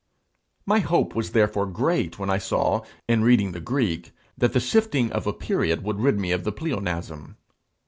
My hope was therefore great when I saw, in reading the Greek, that the shifting of a period would rid me of the pleonasm.